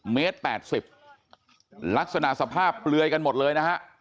เมตร๘๐ลักษณะสภาพเปลือยกันหมดเลยนะฮะ